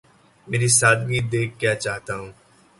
مری سادگی دیکھ کیا چاہتا ہوں